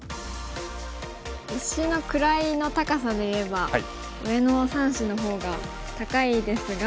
石の位の高さで言えば上の３子の方が高いですが。